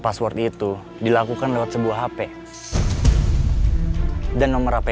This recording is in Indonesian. password itu dilakukan lewat sebuah hp dan nomor hp